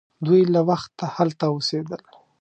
دوی له وخته هلته اوسیدل.